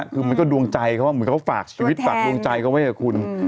คือมันก็ดวงใจเขาเหมือนเขาฝากชีวิตฝากดวงใจเขาไว้กับคุณ